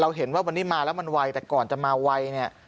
เห็นว่าวันนี้มาแล้วมันไวแต่ก่อนจะมาไวเนี่ย